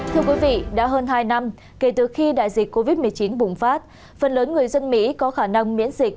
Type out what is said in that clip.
thưa quý vị đã hơn hai năm kể từ khi đại dịch covid một mươi chín bùng phát phần lớn người dân mỹ có khả năng miễn dịch